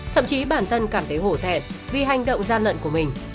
thậm chí bản thân cảm thấy hổ thẹn vì hành động gian lận của mình